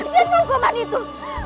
yang hukuman itu